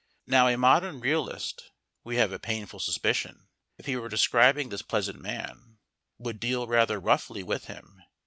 Now a modern realist (we have a painful suspicion) if he were describing this pleasant man would deal rather roughly with him.